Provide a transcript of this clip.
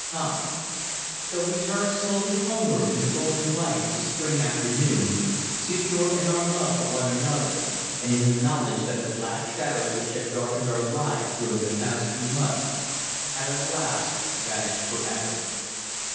Come." So we turned slowly homeward in the golden light of the spring afternoon, secure in our love for one another and in the knowledge that the black shadows which had darkened our lives during the past months had at last vanished for ever.